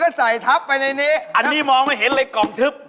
โอ้โฮราคาไม่แพงครับเออ